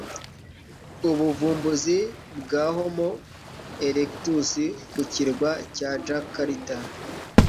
Ubuvumbuzi bwa Homo erectus ku kirwa cya Jakarta